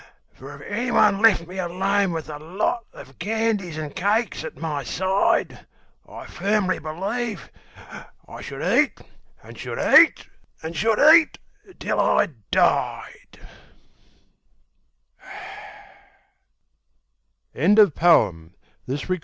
For if any one left me alone with a lot Of candies and cakes at my side, I firmly believe I should eat, and should eat, And should eat, and should eat, till I died.